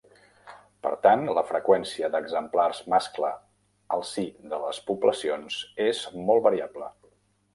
Per tant, la freqüència d'exemplars mascle al si de les poblacions és molt variable.